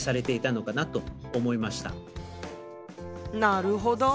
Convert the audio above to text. なるほど。